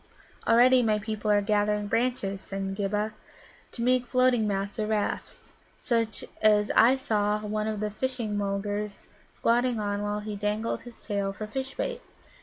"Already my people are gathering branches," said Ghibba, "to make floating mats or rafts, such as I saw one of the Fishing mulgars squatting on while he dangled his tail for fish bait.